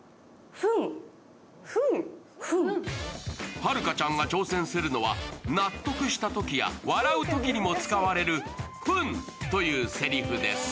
遥ちゃんが挑戦するのは、納得したときや笑うときにも使われる「ふん」というせりふです。